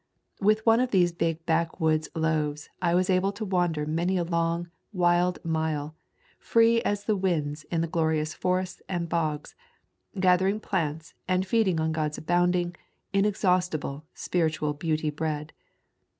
With one of these big backwoods loaves I was able to wander many a long, wild mile, free as the winds in the glori ous forests and bogs, gathering plants and feed ing on God's abounding, inexhaustible spiritual beauty bread.